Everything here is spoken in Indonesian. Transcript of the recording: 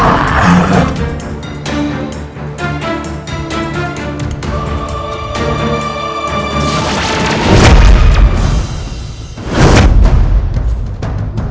aku harus berhati hati